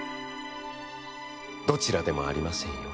「どちらでもありませんよ。